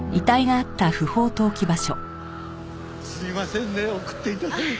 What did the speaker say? すみませんね送って頂いて。